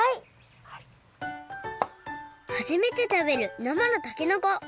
はじめてたべるなまのたけのこ。